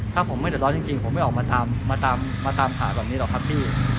ถ้าผมไม่เดือดร้อนจริงผมไม่ออกมาตามหาแบบนี้หรอกครับพี่